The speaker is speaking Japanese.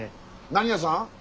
何屋さん？